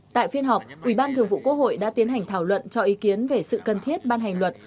tại phiên họp ubth đã tiến hành thảo luận cho ý kiến về sự cần thiết ban hành luật